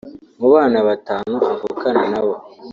mu bana batanu avukana na bo